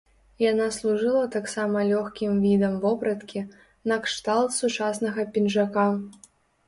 Яна служыла таксама лёгкім відам вопраткі, накшталт сучаснага пінжака.